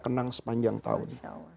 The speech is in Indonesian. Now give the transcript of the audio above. kenang sepanjang tahun